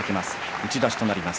打ち出しとなります。